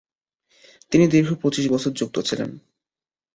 তিনি দীর্ঘ পঁচিশ বছর যুক্ত ছিলেন।